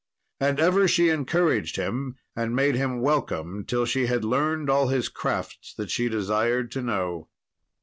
And ever she encouraged him, and made him welcome till she had learned all his crafts that she desired to know.